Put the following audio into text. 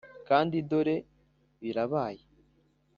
kandi dore birabaye